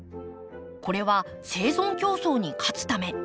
これは生存競争に勝つため。